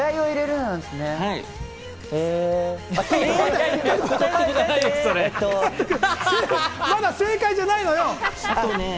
海人君、まだ正解じゃないのよ。